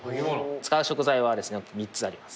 使う食材は３つあります